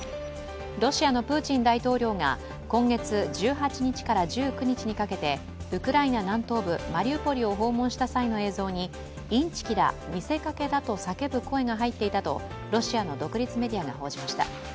ロシアのプーチン大統領が今月１８日から１９日にかけてウクライナ南東部マリウポリを訪問した際の映像に「インチキだ、見せかけだ」と叫ぶ声が入っていたとロシアの独立メディアが報じました。